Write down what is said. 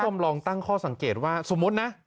คุณผู้ชมลองตั้งข้อสังเกตว่าสมมุตินะ